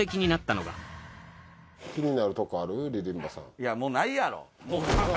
いやもうないやろ！